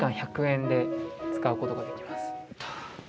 使うことができます。